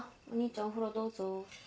お兄ちゃんお風呂どうぞ。